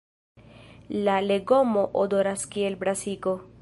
La legomo odoras kiel brasiko.